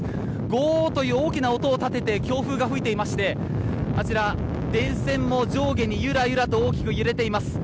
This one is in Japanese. ゴーッという大きな音を立てて強風が吹いていましてあちら、電線も上下にゆらゆらと大きく揺れています。